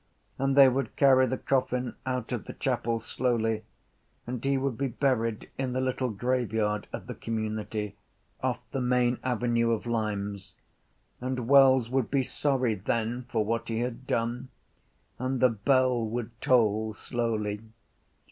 And they would carry the coffin out of the chapel slowly and he would be buried in the little graveyard of the community off the main avenue of limes. And Wells would be sorry then for what he had done. And the bell would toll slowly.